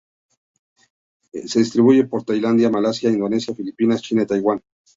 Se distribuye por Tailandia, Malasia, Indonesia, Filipinas, China y Taiwán.